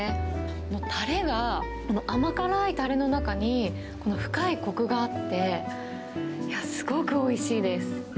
もう、たれが甘辛いたれの中に、この深いこくがあって、すごくおいしいです。